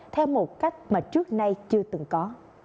theo một cách mà trước nay chưa từng có